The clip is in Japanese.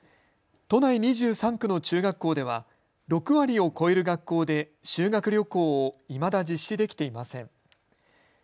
都内２３区の中学校では６割を超える学校で修学旅行をいまだ実施できていません。